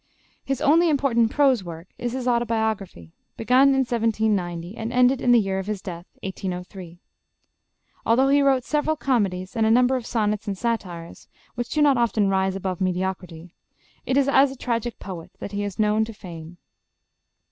His only important prose work is his 'Auto biography' begun in 1790 and ended in the year of his death, 1803. Although he wrote several comedies and a number of sonnets and satires, which do not often rise above mediocrity, it is as a tragic poet that he is known to fame.